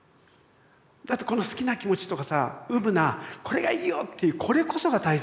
だってこの好きな気持ちとかさ初心なこれがいいよっていうこれこそが大切で。